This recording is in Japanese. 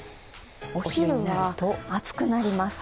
お昼は暑くなります。